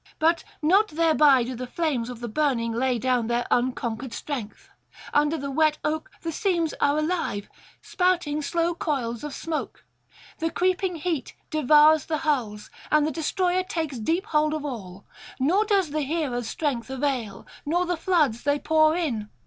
But not thereby do the flames of the burning lay down their unconquered strength; under the wet oak the seams are alive, spouting slow coils of smoke; the creeping heat devours the hulls, and the destroyer takes deep hold of all: nor does the heroes' strength avail nor the floods they pour in.